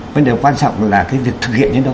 vấn đề quan trọng là cái việc thực hiện đến đâu